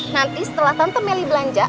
nanti setelah tante meli belanja